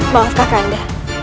maaf kak kanda